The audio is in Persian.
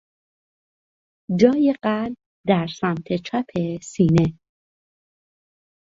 جای قلب در سمت چپ سینه